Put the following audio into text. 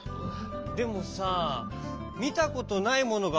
でもさみたことないものがあったんだ。